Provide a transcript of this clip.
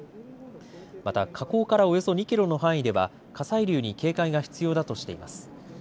また火口からおよそ２キロの範囲では火砕流に警戒が必要だとしています。